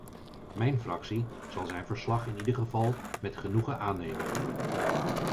Mijn fractie zal zijn verslag in ieder geval met genoegen aannemen.